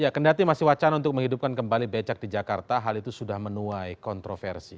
kendati masih wacana untuk menghidupkan kembali becak di jakarta hal itu sudah menuai kontroversi